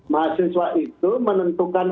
mahasiswa itu menentukan